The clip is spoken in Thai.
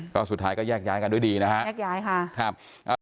ก็สุดท้ายก็แยกย้ายกันด้วยดีนะฮะแยกย้ายค่ะครับ